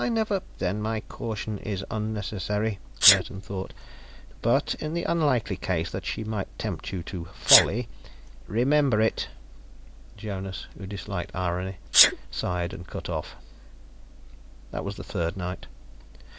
"I never " "Then my caution is unnecessary," Claerten thought. "But, in the unlikely case that she might tempt you to folly remember it." Jonas, who disliked irony, sighed and cut off. That was the third night.